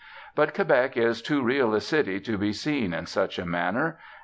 But Quebec is too real a city to be 'seen' in such a manner.